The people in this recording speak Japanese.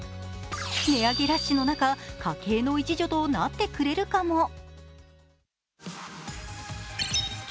値上げラッシュの中家計の一助となってくれるかも。